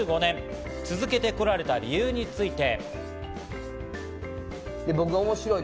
続けてこられた理由について。